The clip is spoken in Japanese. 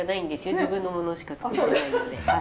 自分のものしか作らないので。